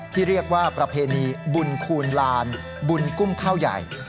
ที่เรียกว่าประเพณีบุญคูณลานบุญกุ้มข้าวใหญ่